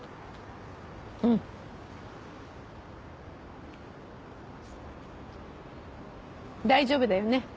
うん大丈夫だよね